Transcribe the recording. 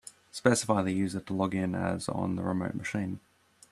Specify the user to log in as on the remote machine.